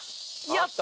やった！